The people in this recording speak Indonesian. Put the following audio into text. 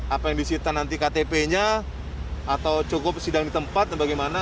apa yang disita nanti ktp nya atau cukup sidang di tempat dan bagaimana